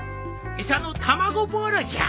餌の卵ボーロじゃ。